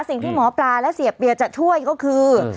สิ่งที่หมอปลาและเสียเปียจะช่วยก็คือ